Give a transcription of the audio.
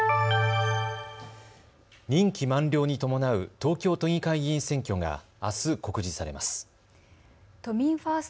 任期満了に伴う東京都議会議員選挙があす告示されます。